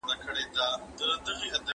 موږكانو ته ډبري كله سوال دئ